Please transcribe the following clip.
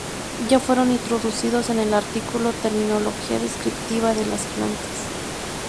Ya fueron introducidos en el artículo Terminología descriptiva de las plantas.